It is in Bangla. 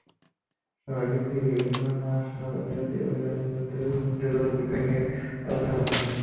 সভায় বিজিবির বিভিন্ন নাশকতাবিরোধী অভিযানের তথ্যবিভ্রাট রোধের বিষয় নিয়ে আলোচনা করা হয়।